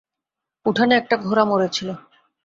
উঠানে একটা ঘোড়া মরেছিল।